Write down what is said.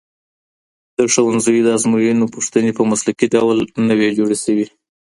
د ښوونځیو د ازموینو پوښتنې په مسلکي ډول نه وي جوړې سوي.